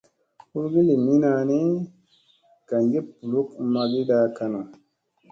Hurgi lii mina ni, gangi ɓuluk magiɗa kanu.